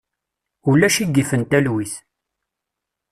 Ulac i yifen talwit.